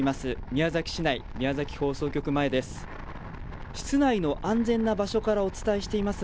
宮崎市内、宮崎放送局前です。